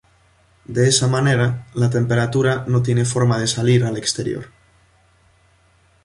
De esa manera, la temperatura no tiene forma de salir al exterior.